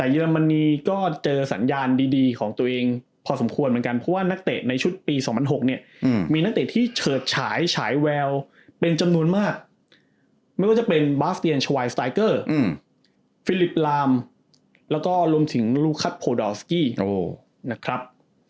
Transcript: หลายแววเป็นจำนวนมากไม่ว่าจะเป็นบาสเตียนชวายสไตเกอร์ฟิลิปลามแล้วก็รวมถึงลูคัทโพดอลสกี้นะครับ